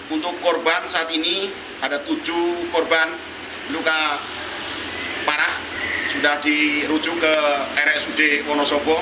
untuk korban saat ini ada tujuh korban luka parah sudah dirujuk ke rsud wonosobo